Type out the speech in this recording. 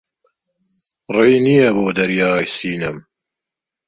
ڕێی نییە بۆ دەریای سینەم